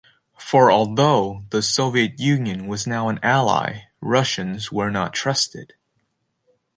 For although the Soviet Union was now an ally, Russians were not trusted.